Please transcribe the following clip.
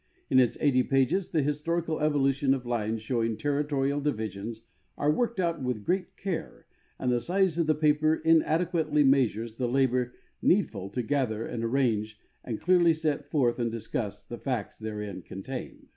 In its 80 pages the historical evolution of lines showing territorial division are worked out with great care, and the size of the paper inadequately measures the labor needful to gather and arrange and clearly set forth and discuss the facts therein contained.